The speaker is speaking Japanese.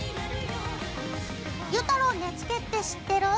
ゆうたろう根付って知ってる？